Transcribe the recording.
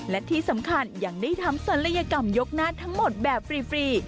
และที่สำคัญยังได้ทำศัลยกรรมยกหน้าทั้งหมดแบบฟรี